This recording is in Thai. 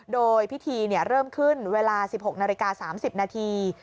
โดยพิธีเริ่มขึ้นเวลา๑๖นาฬิกา๓๐นาที